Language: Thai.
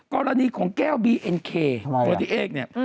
กรณีของแก้วบีเอ็นเคโปรดิเอ็กซ์นี่